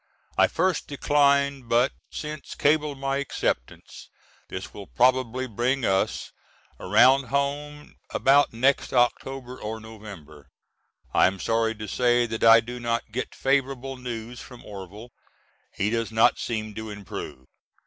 I first declined but since cabled my acceptance. This will probably bring us around home about next October or November. I am sorry to say that I do not get favorable news from Orvil. He does not seem to improve.